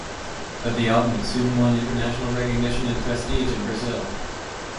But the album had soon won international recognition and prestige in Brazil.